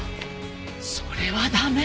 それは駄目！